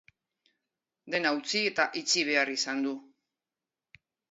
Dena utzi eta itxi behar izan du.